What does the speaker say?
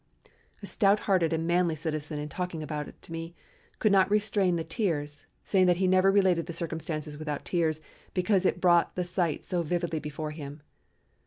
A stout hearted and manly citizen in talking to me about it could not restrain the tears, saying that he never related the circumstances without tears, because it brought the sight so vividly before him.